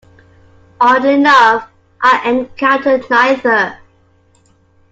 Oddly enough, I encountered neither.